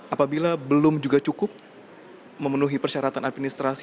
apabila belum juga cukup memenuhi persyaratan administrasi